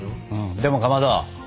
でもかまど。